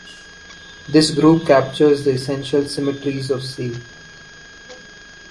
This group captures the essential "symmetries" of "C".